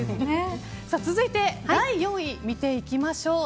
続いて、第４位見ていきましょう。